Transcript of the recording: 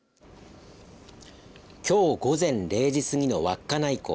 きょう午前０時過ぎの稚内港。